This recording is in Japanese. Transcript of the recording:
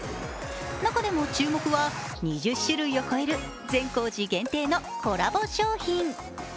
中でも注目は、２０種類を超える善光寺限定のコラボ商品。